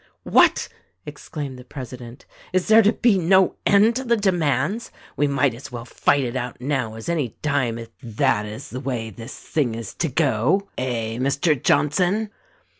"What !'' exclaimed the president, "Is there to be no end to the demands ? We might as well fight it out now as any time if that is the way this thing is to go, eh, Mr. Johnson